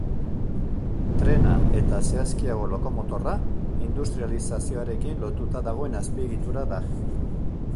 Trena, eta zehazkiago, lokomotorra industrializazioarekin lotuta dagoen azpiegitura da.